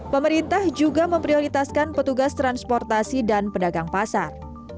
pemerintah juga memprioritaskan petugas transportasi dan pedagang pasar